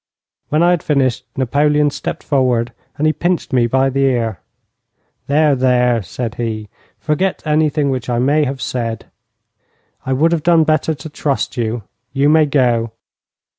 When I had finished Napoleon stepped forward and he pinched me by the ear. 'There, there!' said he. 'Forget anything which I may have said. I would have done better to trust you. You may go.'